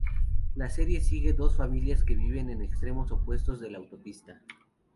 La serie sigue a dos familias que viven en extremos opuestos de la autopista.